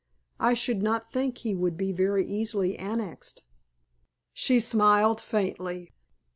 I should not think he would be very easily annexed." She smiled faintly.